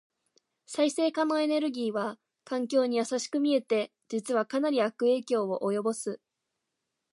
再生可能エネルギーは環境に優しく見えて、実はかなり悪影響を及ぼす。